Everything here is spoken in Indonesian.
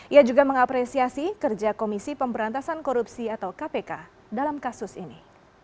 ia juga mengapresiasi kerja komisi pemberantasan korupsi atau kpk dalam kasus ini